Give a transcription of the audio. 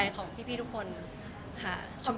แฟนคลับของคุณไม่ควรเราอะไรไง